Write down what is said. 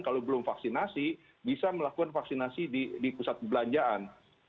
kalau belum vaksinasi bisa melakukan vaksinasi di pusat perbelanjaan